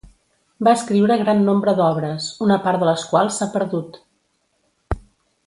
Va escriure gran nombre d'obres, una part de les quals s'ha perdut.